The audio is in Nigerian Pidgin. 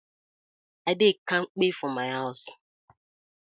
I dey kampe for my hawz.